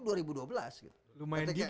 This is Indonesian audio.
lumayan gigih dia ininya ya